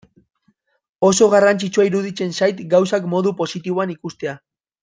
Oso garrantzitsua iruditzen zait gauzak modu positiboan ikustea.